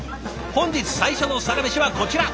本日最初のサラメシはこちら。